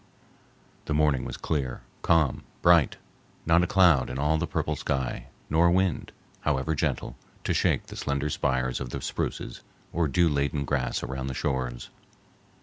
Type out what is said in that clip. The morning was clear, calm, bright—not a cloud in all the purple sky, nor wind, however gentle, to shake the slender spires of the spruces or dew laden grass around the shores.